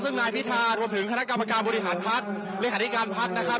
ซึ่งนายพิธารวมถึงคณะกรรมการบริหารพักเลขาธิการพักนะครับ